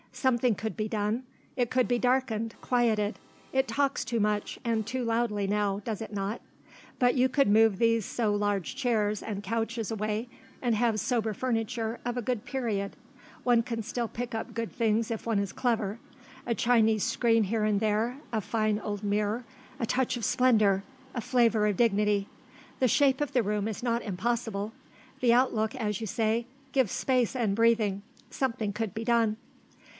"Something could be done. It could be darkened; quieted; it talks too much and too loudly now, does it not? But you could move these so large chairs and couches away and have sober furniture, of a good period; one can still pick up good things if one is clever; a Chinese screen here and there; a fine old mirror; a touch of splendour; a flavour of dignity. The shape of the room is not impossible; the outlook, as you say, gives space and breathing; something could be done."